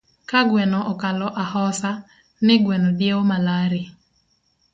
Ka gweno okalo ahosa, ni gweno diewo malare